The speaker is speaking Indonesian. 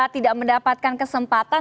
tidak mendapatkan kesempatan